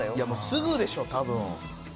すぐでしょ多分。